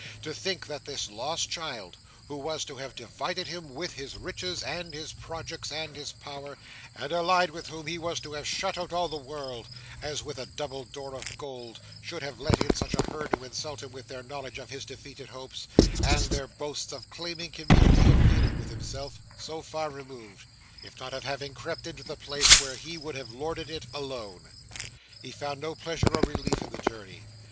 To think that this lost child, who was to have divided with him his riches, and his projects, and his power, and allied with whom he was to have shut out all the world as with a double door of gold, should have let in such a herd to insult him with their knowledge of his defeated hopes, and their boasts of claiming community of feeling with himself, so far removed: if not of having crept into the place wherein he would have lorded it, alone! He found no pleasure or relief in the journey.